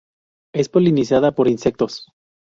Es polinizada por insectos.